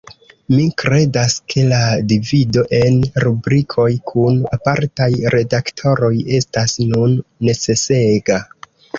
Mi kredas, ke la divido en rubrikoj kun apartaj redaktoroj estas nun necesega.